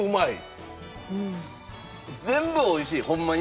全部美味しいホンマに。